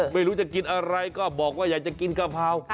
ไม่รู้จะกินอะไรก็บอกว่าอยากจะกินกะเพรา